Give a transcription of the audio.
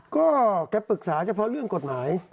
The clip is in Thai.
ก็แกปรึกษาเฉพาะเรื่องกฎหมาย